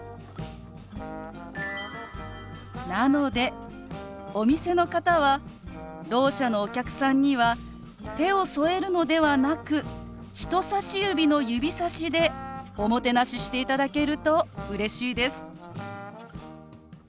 なのでお店の方はろう者のお客さんには手を添えるのではなく人さし指の指さしでおもてなししていただけるとうれしいです。